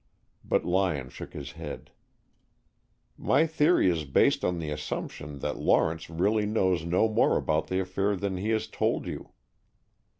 But Lyon shook his head. "My theory is based on the assumption that Lawrence really knows no more about the affair than he has told you."